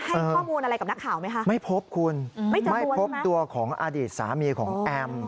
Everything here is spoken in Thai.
ให้ข้อมูลอะไรกับนักข่าวไหมคะไม่พบคุณไม่พบไม่พบตัวของอดีตสามีของแอม